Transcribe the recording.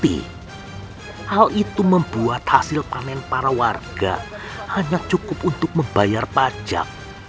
hal itu membuat hasil panen para warga hanya cukup untuk membayar pajak